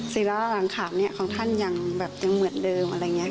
ศิราหลังขามนี้ของท่านยังแบบยังเหมือนเดิมอะไรอย่างนี้